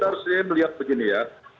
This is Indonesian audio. kita harusnya melihat begini ya